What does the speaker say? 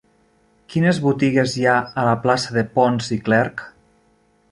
Quines botigues hi ha a la plaça de Pons i Clerch?